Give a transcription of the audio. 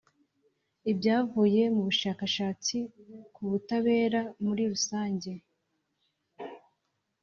Ibyavuye mu bushakashatsi ku butabera muri rusange